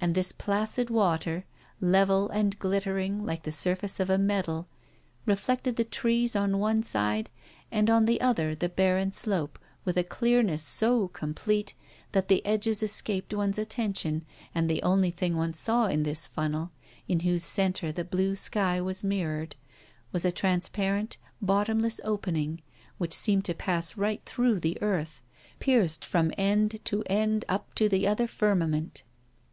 And this placid water, level and glittering, like the surface of a medal, reflected the trees on one side, and on the other the barren slope, with a clearness so complete that the edges escaped one's attention, and the only thing one saw in this funnel, in whose center the blue sky was mirrored, was a transparent, bottomless opening, which seemed to pass right through the earth, pierced from end to end up to the other firmament.